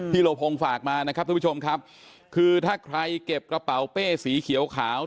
โลภงฝากมานะครับทุกผู้ชมครับคือถ้าใครเก็บกระเป๋าเป้สีเขียวขาว